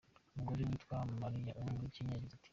Umugore witwa Mariya wo muri Kenya yagize ati:.